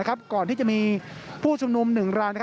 ก่อนที่จะมีผู้ชุมนุม๑ราย